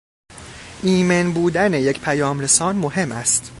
ایمن بودن یک پیامرسان مهم است